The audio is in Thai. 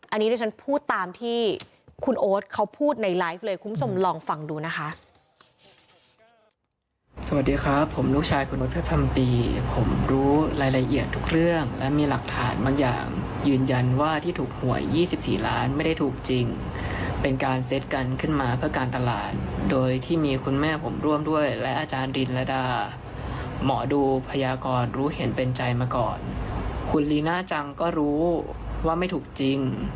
อันนี้ที่ฉันพูดตามที่คุณโอ๊ตเขาพูดในไลฟ์เลยคุณผู้ชมลองฟังดูนะคะ